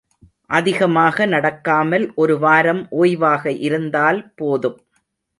அதிகமாக நடக்காமல் ஒருவாரம் ஓய்வாக இருந்தால் போதும்.